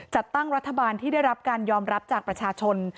จัดตั้งรัฐบาลที่ได้รับการยอมรับจากประชาชน